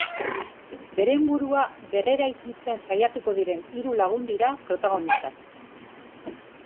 Beren burua berreraikitzen saiatuko diren hiru lagun dira protagonistak.